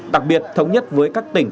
đặc biệt thống nhất với các tỉnh